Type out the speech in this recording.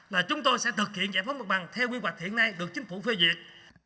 là chúng tôi sẽ thực hiện giải phóng mặt bằng theo quy hoạch hiện nay được chính phủ phê duyệt